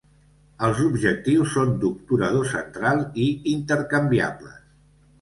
Els objectius són d'obturador central i intercanviables.